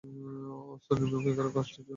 অস্ত্র নিম্নমুখী করে কাষ্ঠের ন্যায় দাঁড়িয়ে থাকে।